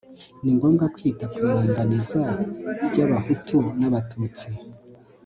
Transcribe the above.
ni ngombwa kwita ku iringaniza ry'abahutu n'abatutsi